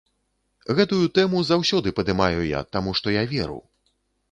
Гэтую тэму заўсёды падымаю я, таму што я веру.